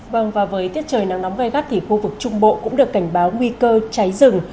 vâng và với tiết trời nắng nóng gai gắt thì khu vực trung bộ cũng được cảnh báo nguy cơ cháy rừng